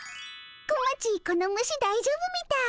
小町この虫だいじょうぶみたい。